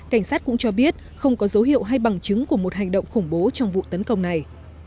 cảnh sát cũng cho biết không có dấu hiệu hay bằng chứng của một hành động khủng bố trong vụ tấn công này